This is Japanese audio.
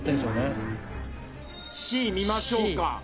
Ｃ見ましょうか。